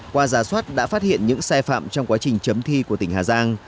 qua giả soát đã phát hiện những sai phạm trong quá trình chấm thi của tỉnh hà giang